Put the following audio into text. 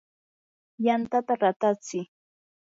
yantata ratatsi.